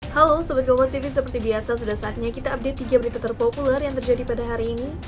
halo sebagai oposisi seperti biasa sudah saatnya kita update tiga berita terpopuler yang terjadi pada hari ini